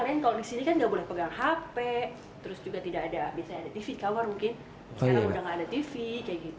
di sini tidak boleh pegang handphone atau tv di kamar